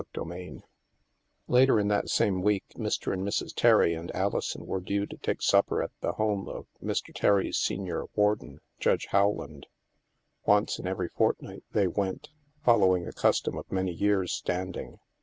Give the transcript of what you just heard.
CHAPTER III Later in that same week, Mr. and Mrs. Terry and Alison were due to take supper at the home of Mr. Terry's Senior Warden — Judge Howland. Once in every fortnight they went, following a cus tom of many years' standing.